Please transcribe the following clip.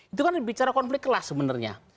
itu kan bicara konflik kelas sebenarnya